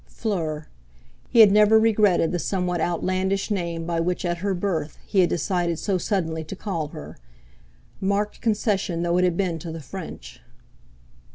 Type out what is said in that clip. Fleur! He had never regretted the somewhat outlandish name by which at her birth he had decided so suddenly to call her—marked concession though it had been to the French.